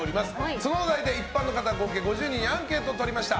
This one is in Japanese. そのお題で一般の方合計５０人にアンケートをとりました。